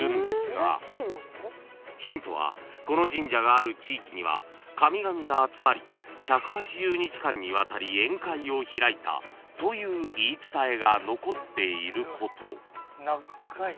［ヒントはこの神社がある地域には神々が集まり１８０日間にわたり宴会を開いたという言い伝えが残っていること］